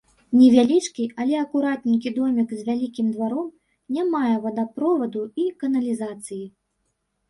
Невялічкі, але акуратненькі домік з вялікім дваром не мае вадаправоду і каналізацыі.